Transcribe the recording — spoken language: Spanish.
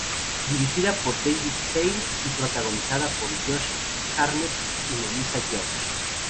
Dirigida por David Slade y protagonizada por Josh Hartnett y Melissa George.